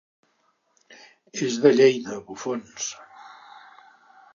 Els de Lleida, bufons.